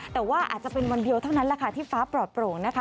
แต่ว่าอาจจะเป็นวันเดียวเท่านั้นแหละค่ะที่ฟ้าปลอดโปร่งนะคะ